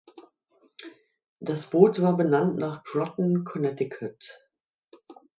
Das Boot war benannt nach Groton, Connecticut.